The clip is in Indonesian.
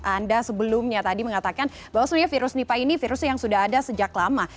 anda sebelumnya tadi mengatakan bahwa sebenarnya virus nipah ini virus yang sudah ada sejak lama